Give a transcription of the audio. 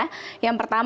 kalau kita lihat